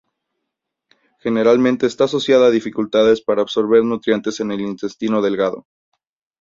Generalmente está asociada a dificultades para absorber nutrientes en el intestino delgado.